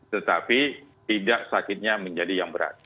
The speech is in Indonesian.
tetapi tidak sakitnya menjadi yang berat